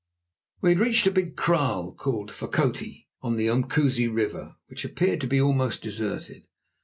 We had reached a big kraal called Fokoti, on the Umkusi River, which appeared to be almost deserted.